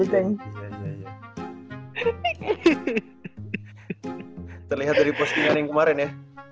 terlihat dari postingan yang kemarin ya